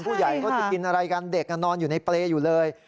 ผู้ใหญ่เขาจะกินอะไรกันเด็กนอนอยู่ในเปรย์อยู่เลย